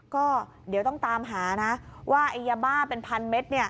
ก็เดี๋ยวต้องตามหานะว่าไอ้ยาบ้าเป็นพันเมตร